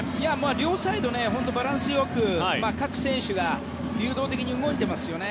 両サイドバランスよく各選手が流動的に動いてますよね。